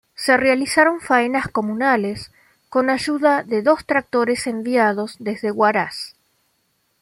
Se realizaron faenas comunales con ayuda de dos tractores enviados desde Huaraz.